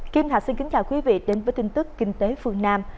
kim thạch xin kính chào quý vị đến với tin tức kinh tế phương nam